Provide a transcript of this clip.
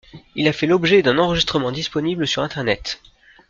Il a fait l'objet d'un enregistrement disponible sur internet.